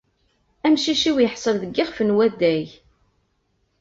Amcic-iw yeḥṣel deg yixef n waddag.